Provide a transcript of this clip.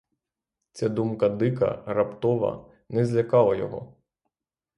Ця думка, дика, раптова, не злякала його.